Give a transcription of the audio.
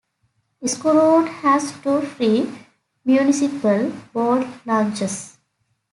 Schroon has two free municipal boat launches.